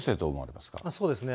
そうですね。